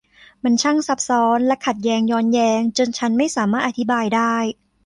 มันช่างซับซ้อน และขัดแย้งย้อนแยง จนฉันไม่สามารถอธิบายได้